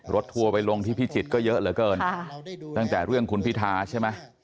ทัวร์ไปลงที่พิจิตรก็เยอะเหลือเกินตั้งแต่เรื่องคุณพิทาใช่ไหม